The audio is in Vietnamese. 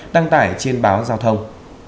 đăng tải trên báo giao thông